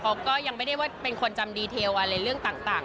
ก็ยังไม่ได้ว่าเป็นคนจำดีเทลอะไรเรื่องต่าง